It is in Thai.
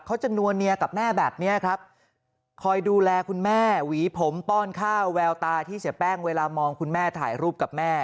เขาจะนัวเนียกับแม่แบบนี้ครับคอยดูแลคุณแม่หวีผมป้อนข้าวแววตาที่เสียแป้งเวลามองคุณแม่ถ่ายรูปกับแม่